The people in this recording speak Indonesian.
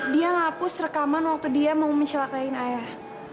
dia ngapus rekaman waktu dia mau mencelakain ayah